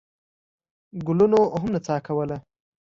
ګلونو هم نڅا کوله.